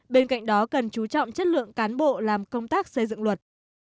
bên cạnh đó cần chú trọng chất lượng cán bộ làm công tác xây dựng luật